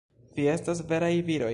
Vi estas veraj viroj!